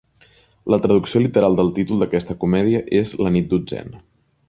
La traducció literal del títol d’aquesta comèdia és La nit dotzena.